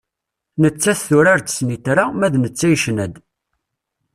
Nettat turar-d snitra, ma d netta yecna-d.